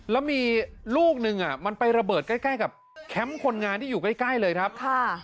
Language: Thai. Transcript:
แล้วมีลูกหนึ่งอ่ะมันไประเบิดใกล้ใกล้กับแคมป์คนงานที่อยู่ใกล้เลยครับค่ะ